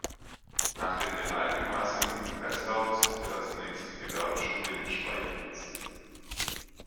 Nach dem Realgymnasium in Breslau besuchte er zunächst die Gewerbeschule in Schweidnitz.